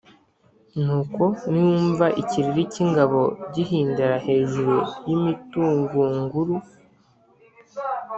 Nuko niwumva ikiriri cy’ingabo gihindira hejuru y’imitugunguru